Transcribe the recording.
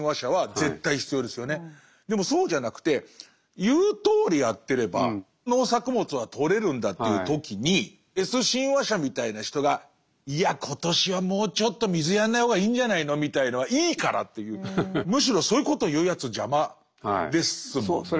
でもそうじゃなくて言うとおりやってれば農作物は取れるんだという時にＳ親和者みたいな人がいや今年はもうちょっと水やんない方がいいんじゃないのみたいのはいいからっていうむしろそういうことを言うやつ邪魔ですもんね。